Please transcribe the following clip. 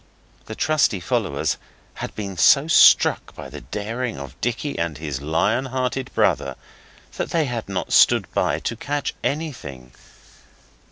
The trusty followers had been so struck by the daring of Dicky and his lion hearted brother, that they had not stood by to catch anything.